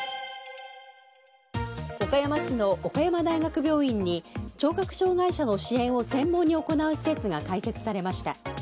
岡山市の岡山大学病院に聴覚障害者の支援を専門に行う施設が開設されました。